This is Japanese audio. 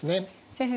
先生